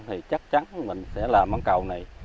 thì chắc chắn mình sẽ làm mảng cầu này